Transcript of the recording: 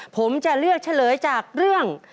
ผมจะเลือกเฉลยจากเรื่อง